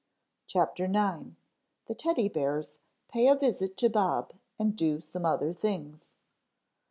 CHAPTER IX. _The Teddy Bears Pay a Visit to Bob and Do Some Other Things.